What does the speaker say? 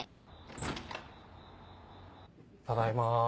ただいま。